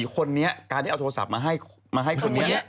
คนนี้การที่เอาโทรศัพท์มาให้คนนี้